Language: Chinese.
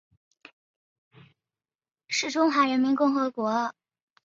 是中华人民共和国政府方面用以纪念淮海战役碾庄战斗中牺牲的革命烈士。